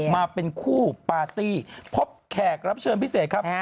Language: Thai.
มาเป็นคู่ปาร์ตี้พบแขกรับเชิญพิเศษครับ